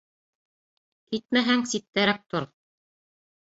Китмәһәң, ситтәрәк тор!